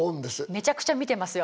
めちゃくちゃ見てますよ